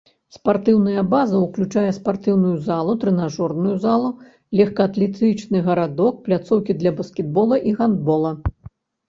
Спартыўная база ўключае спартыўную залу, трэнажорную залу, лёгкаатлетычны гарадок, пляцоўкі для баскетбола і гандбола.